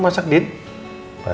masa yang terbaik